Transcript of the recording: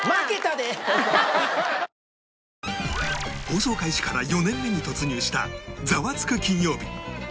放送開始から４年目に突入した『ザワつく！金曜日』